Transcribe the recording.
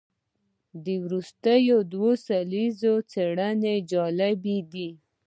د وروستیو دوو لسیزو څېړنې جالبه دي.